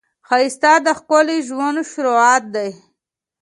ښایست د ښکلي ژوند شروعات دی